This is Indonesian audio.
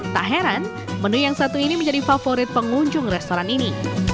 tak heran menu yang satu ini menjadi favorit pengunjung restoran ini